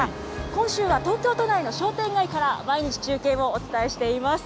今週は東京都内の商店街から、毎日、中継をお伝えしています。